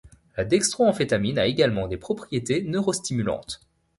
La dextroamphétamine a également des propriétés neurostimulantes.